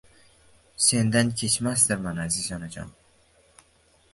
Cyendan kechmasdirman aziz onajon!